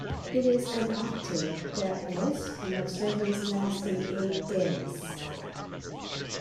It is an octave, that is, an observance lasting eight days.